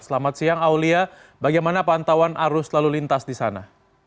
selamat siang aulia bagaimana pantauan arus lalu lintas di sana